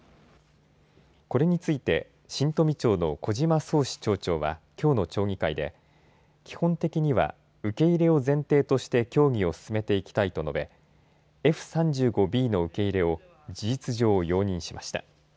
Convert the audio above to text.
これについて新富町の小嶋崇嗣町長はきょうの町議会で基本的には受け入れを前提として協議を進めていきたいと述べＦ３５Ｂの受け入れを事実上、容認しました。